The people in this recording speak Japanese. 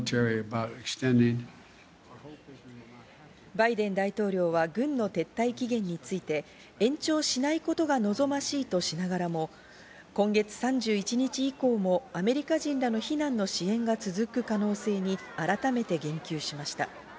バイデン大統領は軍の撤退期限について延長しないことが望ましいとしながらも、今月３１日以降もアメリカ人らの避難の支援が続く可能性に改めて言及しました。